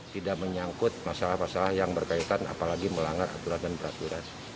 tidak menyangkut masalah masalah yang berkaitan apalagi melanggar aturan dan peraturan